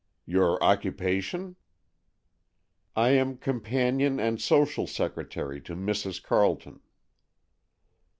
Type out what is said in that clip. "Your occupation?" "I am companion and social secretary to Mrs. Carleton."